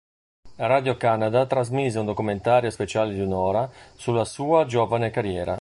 Radio-Canada trasmise un documentario speciale di un'ora sulla sua giovane carriera.